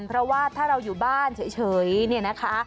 เพราะว่าถ้าเราอยู่บ้านเฉยเนี่ยนะคะ